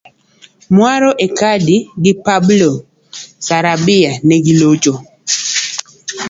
Muaro Icardi gi Pablo Sarabia negilocho